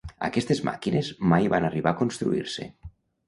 Aquestes màquines mai van arribar a construir-se.